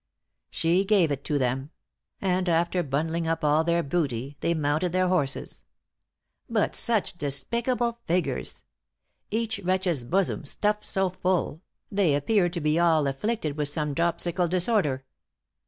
She gave it to them; and after bundling up all their booty, they mounted their horses. But such despicable figures! Each wretch's bosom stuffed so full, they appeared to be all afflicted with some dropsical disorder.